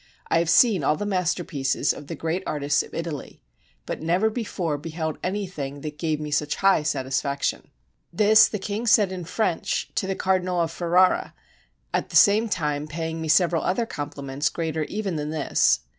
I have seen all the masterpieces of the greatest artists of Italy, but never before beheld any thing that gave me such high satisfaction." This the king said in French to the Cardinal of Ferrara, at the same time paying me several other compliments greater even than this.